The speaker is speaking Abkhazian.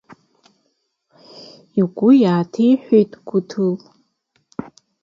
Игәы иааҭиҳәааит Қәҭыл.